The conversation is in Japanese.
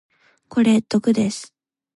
これ毒です。